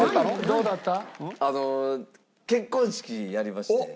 どうだった？